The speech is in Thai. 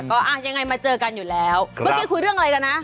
ก็อ่ะยังไงมาเจอกันอยู่แล้วเมื่อกี้คุยเรื่องอะไรกันนะ